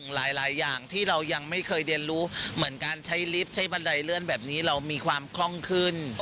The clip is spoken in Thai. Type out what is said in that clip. หลายอย่างที่เรายังไม่เคยเรียนรู้เหมือนการใช้ลิฟต์ใช้บันไดเลื่อนแบบนี้เรามีความคล่องขึ้น